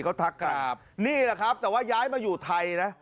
เขาทักครับนี่ก็ครับแต่ย้ายมาอยู่ไทยนะ